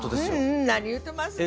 何言うてますの。